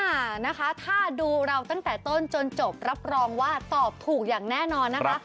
อ่านะคะถ้าดูเราตั้งแต่ต้นจนจบรับรองว่าตอบถูกอย่างแน่นอนนะคะ